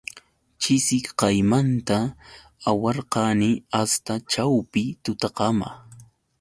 Chishikaymanta awarqani asta ćhawpi tutakama.